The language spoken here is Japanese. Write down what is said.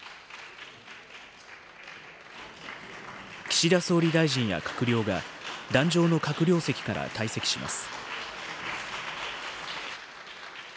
岸田総理大臣や閣僚が、壇上の閣僚席から退席します。